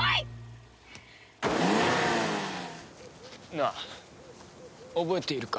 なあ覚えているか？